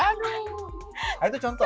nah itu contoh